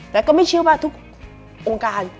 แต่ก็ไม่เชื่อว่าทุกองค์การ